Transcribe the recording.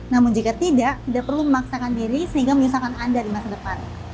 namun jika tidak tidak perlu memaksakan diri sehingga menyusahkan anda di masa depan